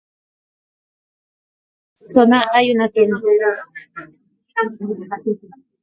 Al principio de la zona, hay una tienda.